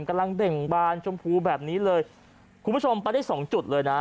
กำลังเห็นบานชมภูแบบนี้เลยคุณผู้ชมปั้นได้๒จุดเลยน่ะ